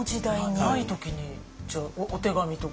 ない時にじゃあお手紙とか？